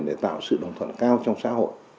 để tạo sự đồng thuận cao trong xã hội